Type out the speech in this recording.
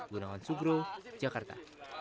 gunawan sugro jakarta